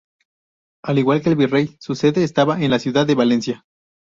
Al igual que el virrey su sede estaba en la ciudad de Valencia.